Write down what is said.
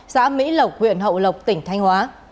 xã mỹ lộc huyện hậu lộc tỉnh thanh hóa